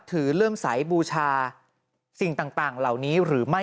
หลังจากพบศพผู้หญิงปริศนาตายตรงนี้ครับ